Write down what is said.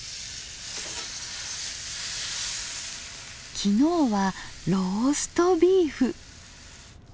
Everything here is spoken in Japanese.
昨日はローストビーフ。